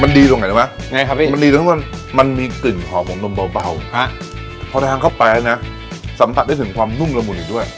มันดีตรงไหนรู้ไหมไงครับพี่มันดีตรงมันมีกลิ่นหอมของนมเบาพอทานเข้าไปแล้วนะสัมผัสได้ถึงความนุ่มละมุนอีกด้วย